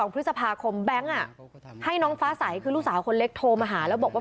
พฤษภาคมแบงค์ให้น้องฟ้าใสคือลูกสาวคนเล็กโทรมาหาแล้วบอกว่า